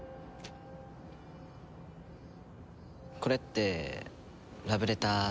これってラブレター的な？